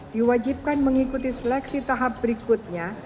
diwajibkan mengikuti seleksi tahap berikutnya